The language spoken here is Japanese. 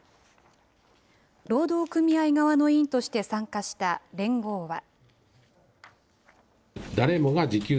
労働組合側の委員として参加した連合は。